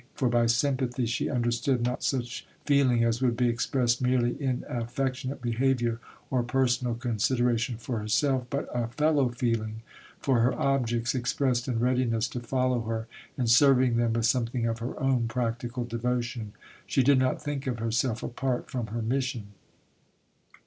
For by "sympathy" she understood not such feeling as would be expressed merely in affectionate behaviour or personal consideration for herself, but a fellow feeling for her objects expressed in readiness to follow her in serving them with something of her own practical devotion. She did not think of herself apart from her mission.